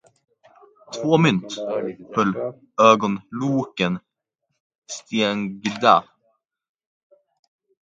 Två mynt höll ögonlocken stängda.